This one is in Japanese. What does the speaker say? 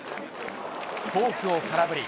フォークを空振り。